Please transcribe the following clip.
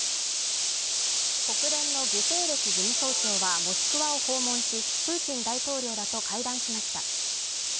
国連のグテーレス事務総長はモスクワを訪問し、プーチン大統領らと会談しました。